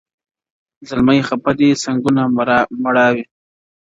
زلمي خپه دي څنګونه مړاوي -